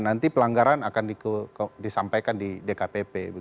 nanti pelanggaran akan disampaikan di dkpp